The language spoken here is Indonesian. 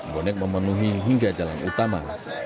bonek memenuhi hingga jalan utama